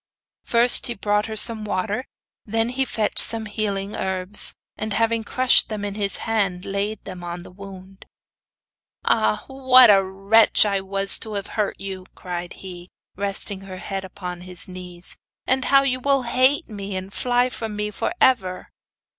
First he brought her some water, and then he fetched some healing herbs, and having crushed them in his hand, laid them on the wound. 'Ah! what a wretch I was to have hurt you,' cried he, resting her head upon his knees; 'and now you will hate me and fly from me for ever!